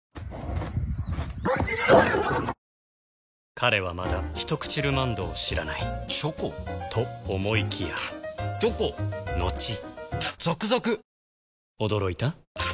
彼はまだ「ひとくちルマンド」を知らないチョコ？と思いきやチョコのちザクザク！